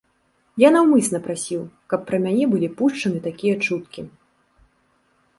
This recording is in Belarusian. Я наўмысна прасіў, каб пра мяне былі пушчаны такія чуткі.